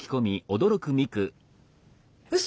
うそ！？